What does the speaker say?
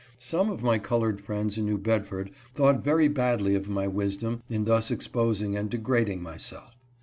Some of my colored friends in New Bedford thought very badly of my wisdom in thus expos ing and degrading myself.